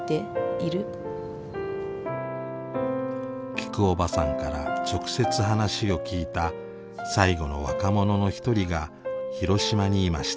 きくおばさんから直接話を聞いた最後の若者の一人が広島にいました。